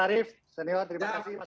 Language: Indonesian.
arief senior terima kasih